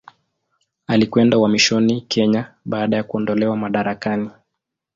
Alikwenda uhamishoni Kenya baada ya kuondolewa madarakani.